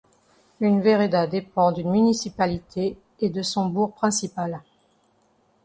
Une vereda dépend d'une municipalité et de son bourg principal.